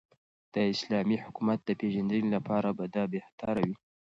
داسلامې حكومت دپيژندني لپاره به دابهتره وي